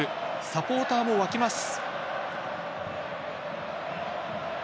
サポーターも沸きます。